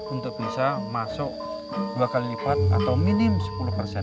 untuk bisa masuk dua kali lipat atau minim sepuluh persen